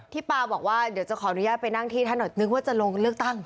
ที่ปาร์บบอกว่านึกแล้วจะขออนุญาตไปนั่งที่เนื่องจะลงเลือกตั้ง